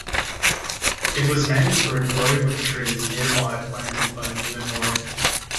It was named for a grove of trees nearby planted by Newman Warren.